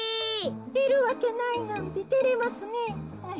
いるわけないなんててれますねえ。